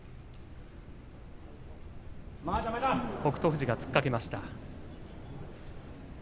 富士が突っかけました。